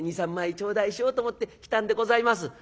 ２３枚頂戴しようと思って来たんでございます」。